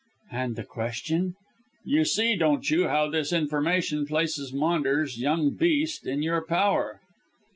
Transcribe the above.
"And the question?" "You see, don't you, how this information places Maunders, young beast, in your power?"